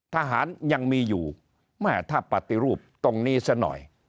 ทหารยังมีอยู่แม่ถ้าปฏิรูปตรงนี้ซะหน่อย